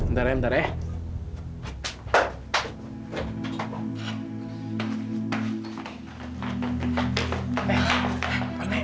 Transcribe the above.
ntar ya ntar ya